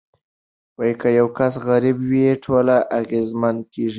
که یو کس غریب وي ټول اغیزمن کیږي.